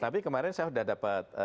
tapi kemarin saya sudah dapat